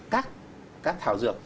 các thảo dược